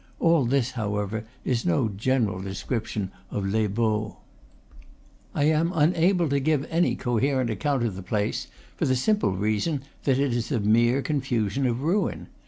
All this, however, is no general description of Les Baux. I am unable to give any coherent account of the place, for the simple reason that it is a mere con fusion of ruin.